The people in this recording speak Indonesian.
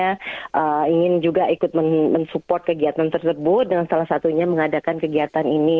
saya ingin juga ikut mensupport kegiatan tersebut dengan salah satunya mengadakan kegiatan ini